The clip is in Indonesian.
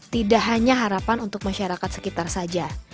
tidak hanya harapan untuk masyarakat sekitar saja